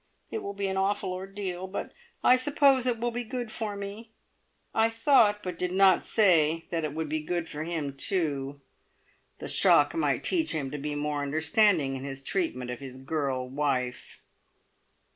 It will be an awful ordeal, but I suppose it will be good for me!" I thought but did not say that it would be good for him too. The shock might teach him to be more understanding in his treatment of his girl wife.